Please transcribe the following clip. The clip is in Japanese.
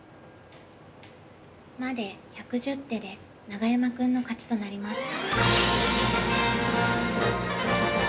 まで１１０手で永山くんの勝ちとなりました。